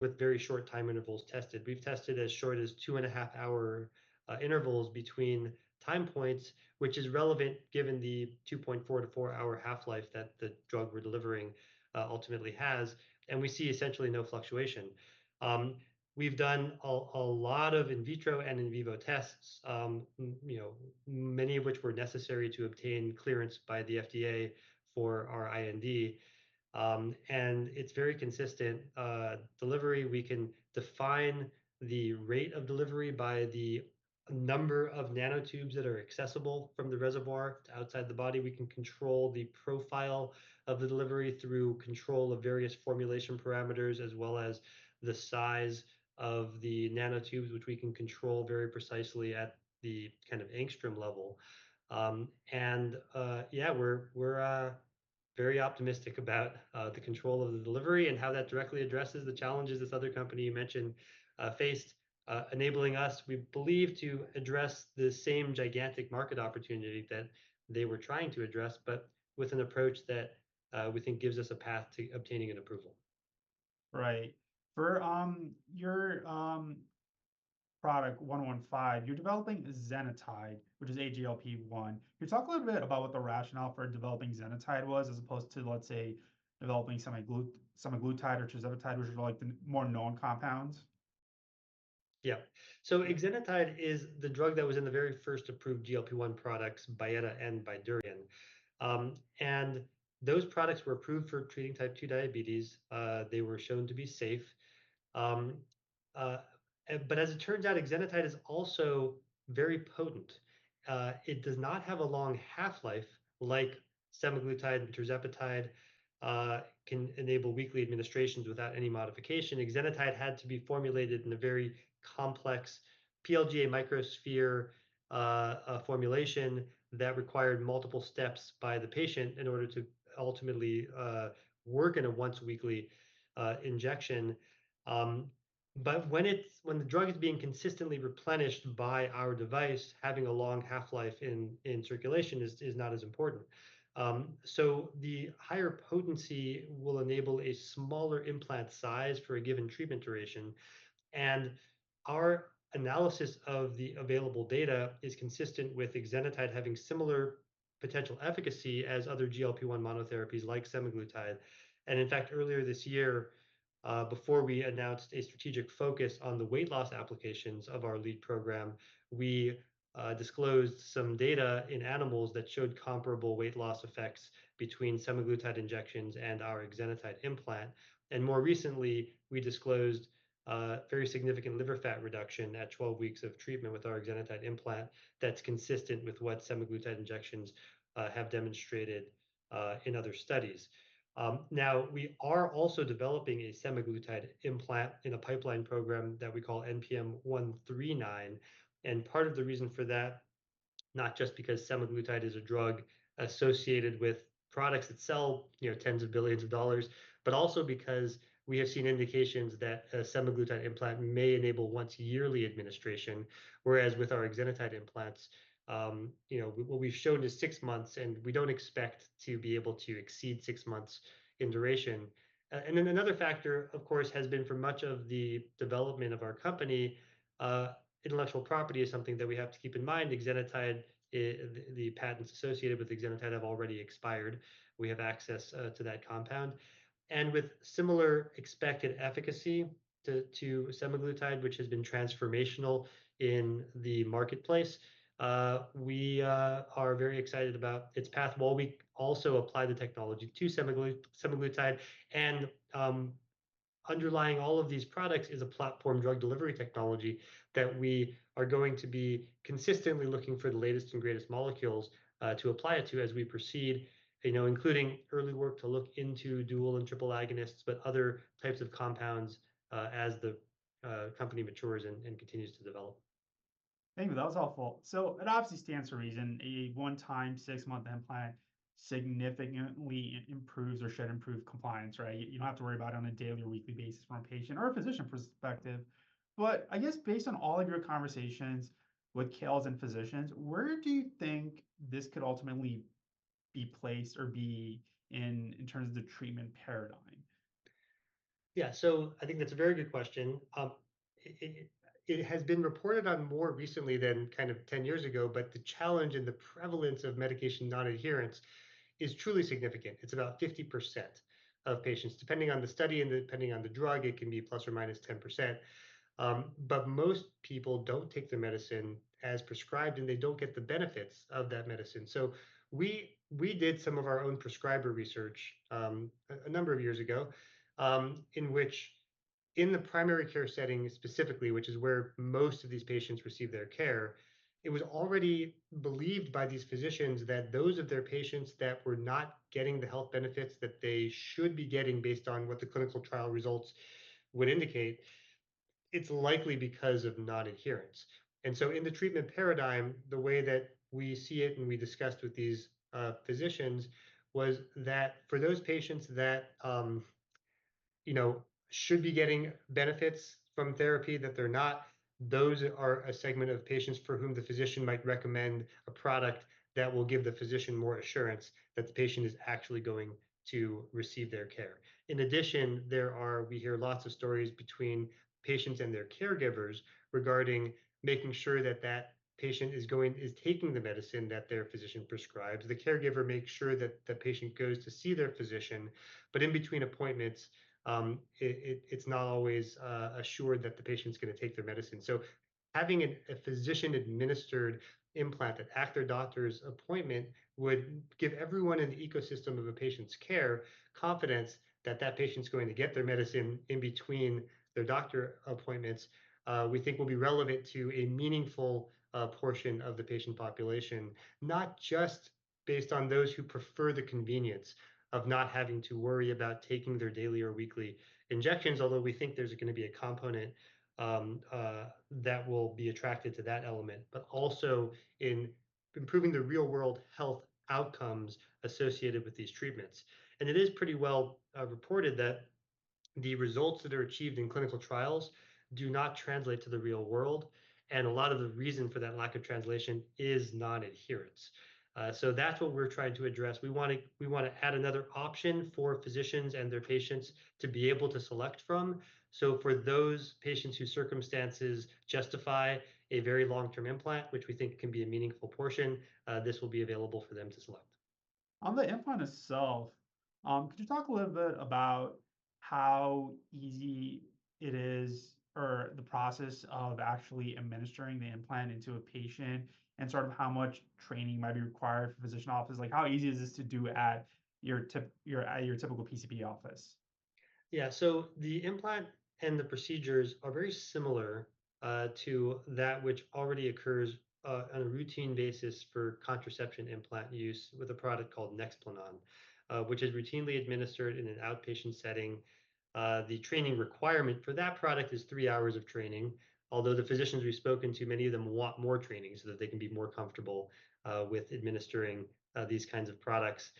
With very short time intervals tested. We've tested as short as 2.5-hour intervals between time points, which is relevant given the 2.44-hour half-life that the drug we're delivering ultimately has, and we see essentially no fluctuation. We've done a lot of in vitro and in vivo tests, you know, many of which were necessary to obtain clearance by the FDA for our IND, and it's very consistent. Delivery, we can define the rate of delivery by the number of nanotubes that are accessible from the reservoir to outside the body. We can control the profile of the delivery through control of various formulation parameters, as well as the size of the nanotubes, which we can control very precisely at the kind of angstrom level. Yeah, we're very optimistic about the control of the delivery and how that directly addresses the challenges this other company you mentioned faced, enabling us, we believe, to address the same gigantic market opportunity that they were trying to address, but with an approach that we think gives us a path to obtaining an approval. Right. For your product 115, you're developing exenatide, which is a GLP-1. Can you talk a little bit about what the rationale for developing exenatide was, as opposed to, let's say, developing semaglutide or tirzepatide, which are like the more known compounds? Yeah. So exenatide is the drug that was in the very first approved GLP-1 products, Byetta and Bydureon, and those products were approved for treating Type 2 diabetes. They were shown to be safe, but as it turns out, exenatide is also very potent. It does not have a long half-life like semaglutide and tirzepatide can enable weekly administrations without any modification. Exenatide had to be formulated in a very complex PLGA microsphere, a formulation that required multiple steps by the patient in order to ultimately work in a once-weekly injection, but when the drug is being consistently replenished by our device, having a long half-life in circulation is not as important. The higher potency will enable a smaller implant size for a given treatment duration, and our analysis of the available data is consistent with exenatide having similar potential efficacy as other GLP-1 monotherapies like semaglutide, and in fact, earlier this year, before we announced a strategic focus on the weight loss applications of our lead program, we disclosed some data in animals that showed comparable weight loss effects between semaglutide injections and our exenatide implant, and more recently, we disclosed very significant liver fat reduction at twelve weeks of treatment with our exenatide implant that's consistent with what semaglutide injections have demonstrated in other studies. Now, we are also developing a semaglutide implant in a pipeline program that we call NPM-139. Part of the reason for that is not just because semaglutide is a drug associated with products that sell, you know, tens of billions of dollars, but also because we have seen indications that a semaglutide implant may enable once-yearly administration, whereas with our exenatide implants, you know, what we've shown is six months, and we don't expect to be able to exceed six months in duration. And then another factor, of course, has been for much of the development of our company, intellectual property is something that we have to keep in mind. Exenatide, the patents associated with exenatide have already expired. We have access to that compound. And with similar expected efficacy to semaglutide, which has been transformational in the marketplace, we are very excited about its path while we also apply the technology to semaglutide. Underlying all of these products is a platform drug delivery technology that we are going to be consistently looking for the latest and greatest molecules to apply it to as we proceed, you know, including early work to look into dual and triple agonists, but other types of compounds as the company matures and continues to develop. Thank you. That was helpful. So it obviously stands to reason a one-time, six-month implant significantly improves or should improve compliance, right? You don't have to worry about it on a daily or weekly basis from a patient or a physician perspective. But I guess based on all of your conversations with KOLs and physicians, where do you think this could ultimately be placed or be in terms of the treatment paradigm? Yeah. So I think that's a very good question. It has been reported on more recently than kind of 10 years ago, but the challenge and the prevalence of medication non-adherence is truly significant. It's about 50% of patients. Depending on the study and depending on the drug, it can be plus or minus 10%. But most people don't take their medicine as prescribed, and they don't get the benefits of that medicine. So we did some of our own prescriber research a number of years ago, in which in the primary care setting specifically, which is where most of these patients receive their care, it was already believed by these physicians that those of their patients that were not getting the health benefits that they should be getting based on what the clinical trial results would indicate. It's likely because of non-adherence. In the treatment paradigm, the way that we see it when we discussed with these physicians, was that for those patients that you know should be getting benefits from therapy that they're not. Those are a segment of patients for whom the physician might recommend a product that will give the physician more assurance that the patient is actually going to receive their care. In addition, we hear lots of stories between patients and their caregivers regarding making sure that that patient is taking the medicine that their physician prescribes. The caregiver makes sure that the patient goes to see their physician, but in between appointments, it's not always assured that the patient's gonna take their medicine. So having a physician-administered implant that after doctor's appointment would give everyone in the ecosystem of a patient's care confidence that that patient's going to get their medicine in between their doctor appointments, we think will be relevant to a meaningful portion of the patient population. Not just based on those who prefer the convenience of not having to worry about taking their daily or weekly injections, although we think there's gonna be a component that will be attracted to that element, but also in improving the real-world health outcomes associated with these treatments, and it is pretty well reported that the results that are achieved in clinical trials do not translate to the real world, and a lot of the reason for that lack of translation is non-adherence, so that's what we're trying to address. We wanna add another option for physicians and their patients to be able to select from, so for those patients whose circumstances justify a very long-term implant, which we think can be a meaningful portion, this will be available for them to select. On the implant itself, could you talk a little bit about how easy it is, or the process of actually administering the implant into a patient, and sort of how much training might be required for physician offices? Like, how easy is this to do at your typical PCP office? Yeah. So the implant and the procedures are very similar to that which already occurs on a routine basis for contraception implant use with a product called Nexplanon, which is routinely administered in an outpatient setting. The training requirement for that product is three hours of training, although the physicians we've spoken to, many of them want more training so that they can be more comfortable with administering these kinds of products.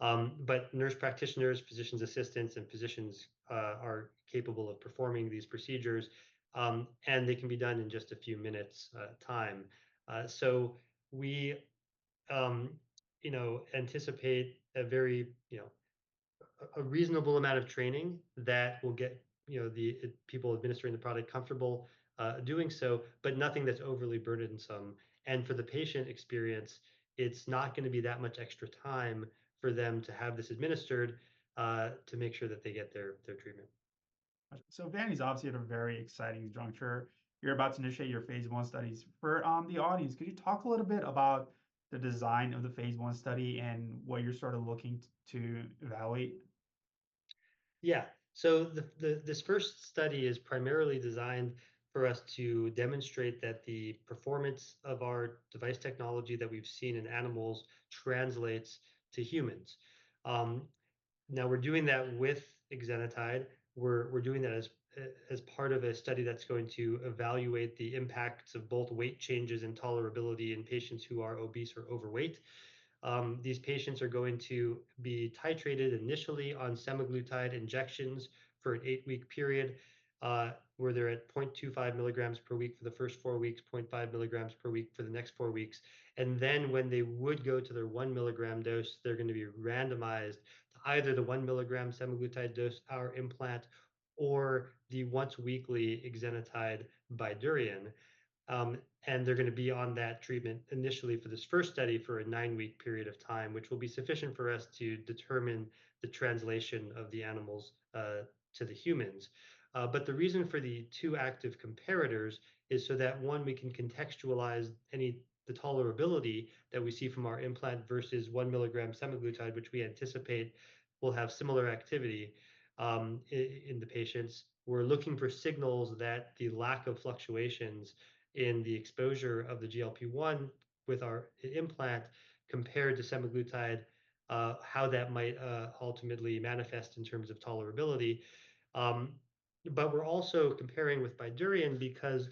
But nurse practitioners, physicians' assistants, and physicians are capable of performing these procedures, and they can be done in just a few minutes time. So we, you know, anticipate a very, you know, reasonable amount of training that will get, you know, the people administering the product comfortable doing so, but nothing that's overly burdensome. And for the patient experience, it's not gonna be that much extra time for them to have this administered, to make sure that they get their treatment. Vivani is obviously at a very exciting juncture. You're about to initiate your Phase I studies. For the audience, could you talk a little bit about the design of the Phase I study and what you're sort of looking to evaluate? Yeah. So this first study is primarily designed for us to demonstrate that the performance of our device technology that we've seen in animals translates to humans. Now, we're doing that with exenatide. We're doing that as part of a study that's going to evaluate the impacts of both weight changes and tolerability in patients who are obese or overweight. These patients are going to be titrated initially on semaglutide injections for an eight-week period, where they're at point two five milligrams per week for the first four weeks, point five milligrams per week for the next four weeks. And then, when they would go to their one milligram dose, they're gonna be randomized to either the one milligram semaglutide dose, our implant, or the once-weekly exenatide Bydureon. And they're gonna be on that treatment initially for this first study for a nine-week period of time, which will be sufficient for us to determine the translation of the animals to the humans. But the reason for the two active comparators is so that, one, we can contextualize any, the tolerability that we see from our implant versus one milligram semaglutide, which we anticipate will have similar activity in the patients. We're looking for signals that the lack of fluctuations in the exposure of the GLP-1 with our implant compared to semaglutide, how that might ultimately manifest in terms of tolerability. But we're also comparing with Bydureon because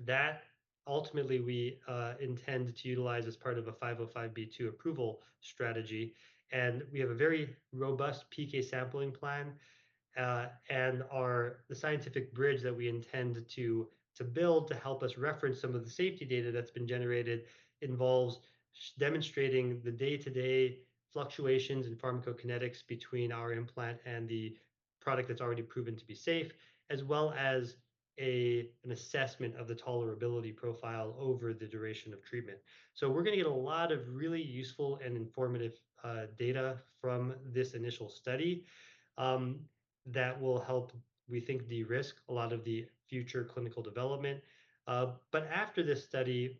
that ultimately we intend to utilize as part of a 505(b)(2) approval strategy, and we have a very robust PK sampling plan. And our... The scientific bridge that we intend to build to help us reference some of the safety data that's been generated involves demonstrating the day-to-day fluctuations in pharmacokinetics between our implant and the product that's already proven to be safe, as well as an assessment of the tolerability profile over the duration of treatment. So we're gonna get a lot of really useful and informative data from this initial study that will help, we think, de-risk a lot of the future clinical development. But after this study,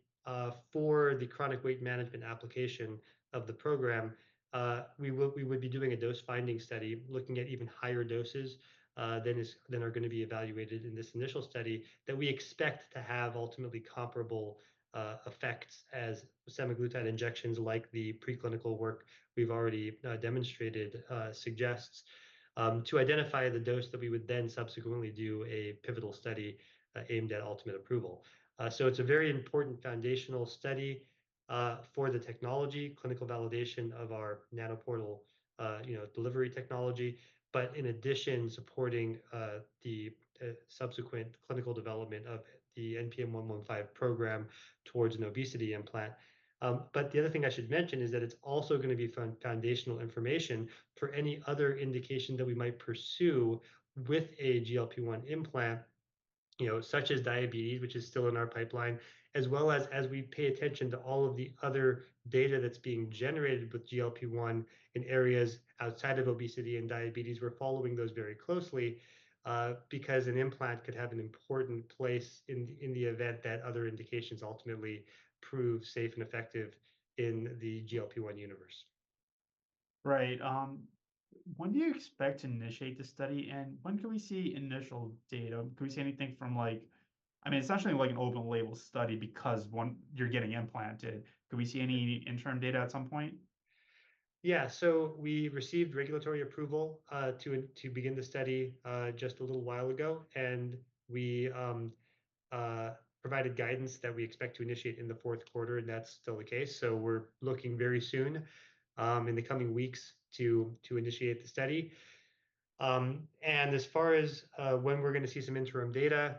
for the chronic weight management application of the program, we would be doing a dose-finding study, looking at even higher doses than are gonna be evaluated in this initial study, that we expect to have ultimately comparable effects as semaglutide injections, like the preclinical work we've already demonstrated suggests, to identify the dose that we would then subsequently do a pivotal study aimed at ultimate approval. So it's a very important foundational study for the technology, clinical validation of our NanoPortal, you know, delivery technology, but in addition, supporting the subsequent clinical development of the NPM-115 program towards an obesity implant. But the other thing I should mention is that it's also gonna be foundational information for any other indication that we might pursue with a GLP-1 implant, you know, such as diabetes, which is still in our pipeline, as well as, as we pay attention to all of the other data that's being generated with GLP-1 in areas outside of obesity and diabetes. We're following those very closely, because an implant could have an important place in the event that other indications ultimately prove safe and effective in the GLP-1 universe. Right. When do you expect to initiate the study, and when can we see initial data? Can we see anything from like... I mean, it's actually like an open label study, because one, you're getting implanted. Can we see any interim data at some point? Yeah. So we received regulatory approval to begin the study just a little while ago, and we provided guidance that we expect to initiate in the fourth quarter, and that's still the case. So we're looking very soon in the coming weeks to initiate the study. And as far as when we're gonna see some interim data,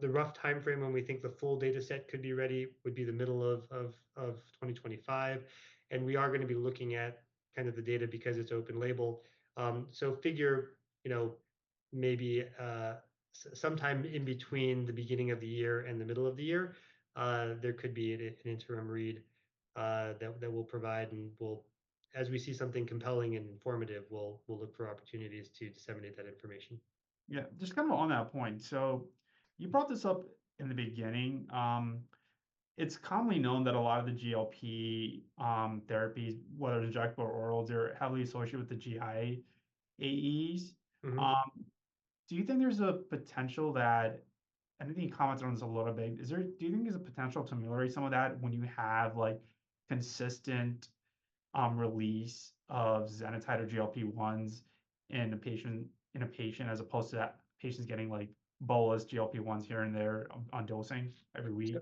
the rough timeframe when we think the full data set could be ready would be the middle of 2025, and we are gonna be looking at kind of the data because it's open label. So figure, you know, maybe sometime in between the beginning of the year and the middle of the year, there could be an interim read that we'll provide, and we'll as we see something compelling and informative, we'll look for opportunities to disseminate that information. Yeah, just kind of on that point, so you brought this up in the beginning. It's commonly known that a lot of the GLP therapies, whether injectable or oral, are heavily associated with the GI AEs.Do you think there's a potential that I think you commented on this a little bit. Is there a potential to ameliorate some of that when you have, like, consistent release of tirzepatide or GLP-1s in a patient, as opposed to that patient's getting, like, bolus GLP-1s here and there on dosing every week?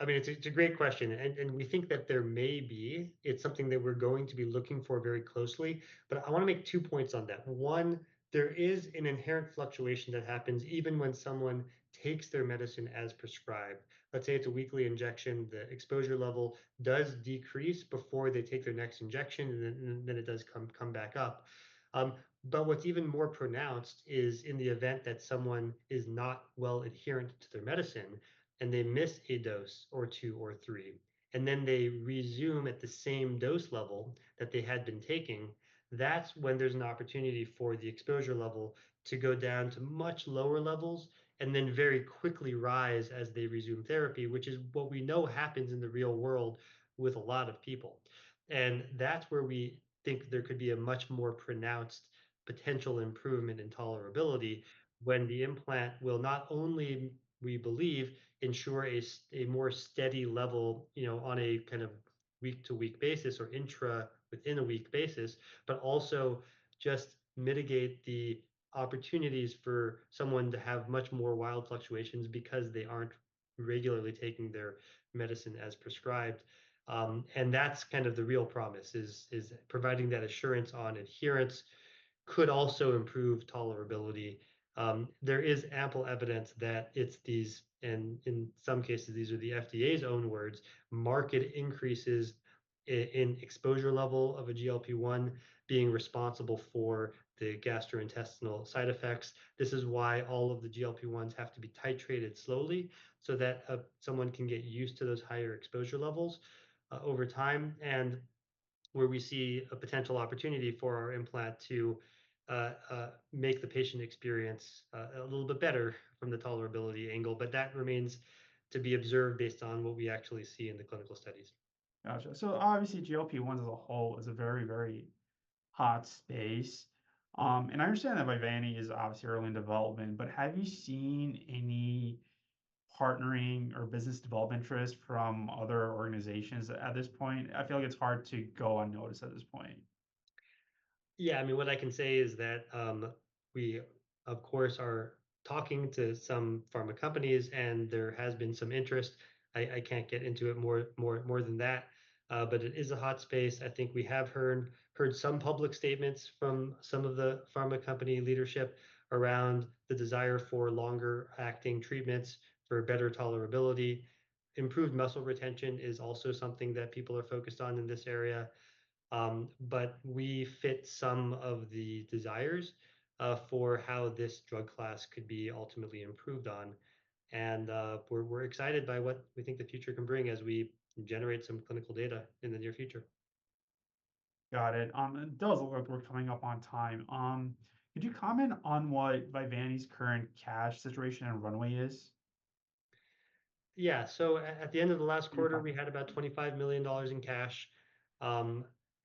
I mean, it's a great question, and we think that there may be. It's something that we're going to be looking for very closely, but I wanna make two points on that. One, there is an inherent fluctuation that happens even when someone takes their medicine as prescribed. Let's say it's a weekly injection. The exposure level does decrease before they take their next injection, and then it does come back up. but what's even more pronounced is in the event that someone is not well adherent to their medicine and they miss a dose or two or three, and then they resume at the same dose level that they had been taking, that's when there's an opportunity for the exposure level to go down to much lower levels and then very quickly rise as they resume therapy, which is what we know happens in the real world with a lot of people. And that's where we think there could be a much more pronounced potential improvement in tolerability when the implant will not only, we believe, ensure a more steady level, you know, on a kind of week-to-week basis or intra, within a week basis, but also just mitigate the opportunities for someone to have much more wild fluctuations because they aren't regularly taking their medicine as prescribed. And that's kind of the real promise is providing that assurance on adherence could also improve tolerability. There is ample evidence that it's these, and in some cases, these are the FDA's own words, market increases in exposure level of a GLP-1 being responsible for the gastrointestinal side effects. This is why all of the GLP-1s have to be titrated slowly, so that someone can get used to those higher exposure levels over time, and where we see a potential opportunity for our implant to make the patient experience a little bit better from the tolerability angle. But that remains to be observed based on what we actually see in the clinical studies. Gotcha. So obviously, GLP-1 as a whole is a very, very hot space. And I understand that Vivani is obviously early in development, but have you seen any partnering or business development interest from other organizations at this point? I feel like it's hard to go unnoticed at this point. Yeah, I mean, what I can say is that we, of course, are talking to some pharma companies, and there has been some interest. I can't get into it more than that, but it is a hot space. I think we have heard some public statements from some of the pharma company leadership around the desire for longer-acting treatments for better tolerability. Improved muscle retention is also something that people are focused on in this area, but we fit some of the desires for how this drug class could be ultimately improved on, and we're excited by what we think the future can bring as we generate some clinical data in the near future. Got it. And it does look like we're coming up on time. Could you comment on what Vivani's current cash situation and runway is? Yeah, so at the end of the last quarter, we had about $25 million in cash.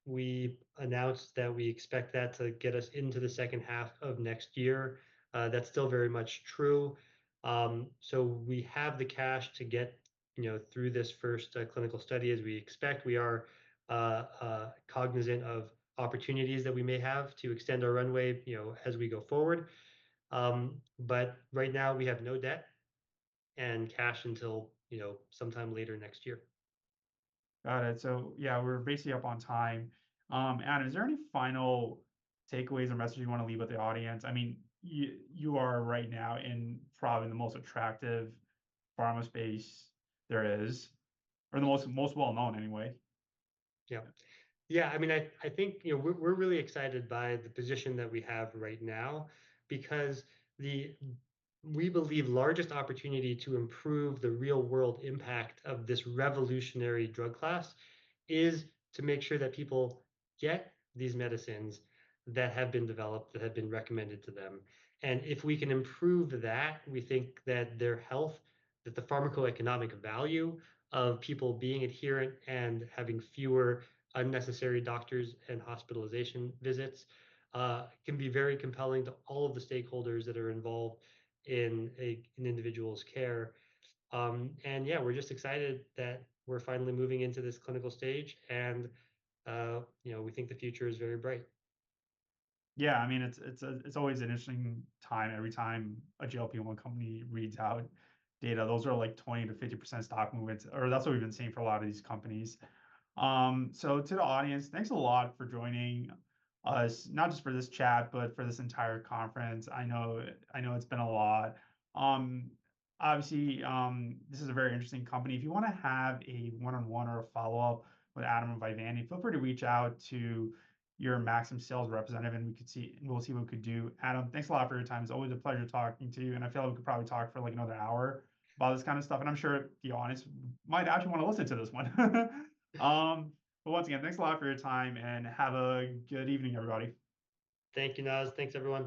We announced that we expect that to get us into the second half of next year. That's still very much true. So we have the cash to get, you know, through this first clinical study as we expect. We are cognizant of opportunities that we may have to extend our runway, you know, as we go forward. But right now, we have no debt and cash until, you know, sometime later next year. Got it. So yeah, we're basically up on time. Adam, is there any final takeaways or messages you wanna leave with the audience? I mean, you are right now in probably the most attractive pharma space there is, or the most well-known anyway. Yeah. Yeah, I mean, I think, you know, we're really excited by the position that we have right now, because we believe the largest opportunity to improve the real-world impact of this revolutionary drug class is to make sure that people get these medicines that have been developed, that have been recommended to them. And if we can improve that, we think that their health, that the pharmacoeconomic value of people being adherent and having fewer unnecessary doctors and hospitalization visits can be very compelling to all of the stakeholders that are involved in an individual's care. And yeah, we're just excited that we're finally moving into this clinical stage, and you know, we think the future is very bright. Yeah, I mean, it's always an interesting time every time a GLP-1 company reads out data. Those are, like, 20-50% stock movements, or that's what we've been seeing for a lot of these companies, so to the audience, thanks a lot for joining us, not just for this chat, but for this entire conference. I know it's been a lot. Obviously, this is a very interesting company. If you wanna have a one-on-one or a follow-up with Adam and Vivani, feel free to reach out to your Maxim sales representative, and we'll see what we could do. Adam, thanks a lot for your time. It's always a pleasure talking to you, and I feel like we could probably talk for, like, another hour about this kind of stuff. I'm sure the audience might actually wanna listen to this one. But once again, thanks a lot for your time, and have a good evening, everybody. Thank you, Naz. Thanks, everyone.